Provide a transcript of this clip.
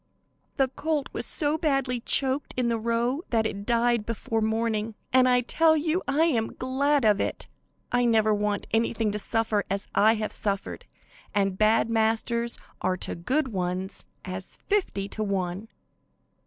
The colt was so badly choked in the row that it died before morning, and I tell you I am glad of it. I never want anything to suffer as I have suffered, and bad masters are to good ones as fifty to one.